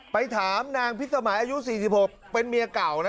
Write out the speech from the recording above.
ไปถามนางพิสมัยอายุ๔๖เป็นเมียเก่านะ